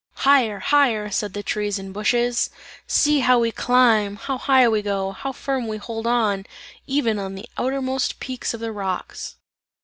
"Higher, higher!" said the trees and bushes. "See, how we climb! how high we go, how firm we hold on, even on the outermost peaks of the rocks!"